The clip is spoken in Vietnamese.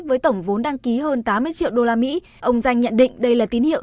với tổng vốn đăng ký hơn tám mươi triệu usd ông danh nhận định đây là tín hiệu